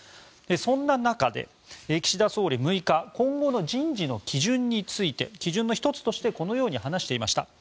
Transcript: そんな中、岸田総理６日今後の人事の基準について基準の１つとしてこのように話していました。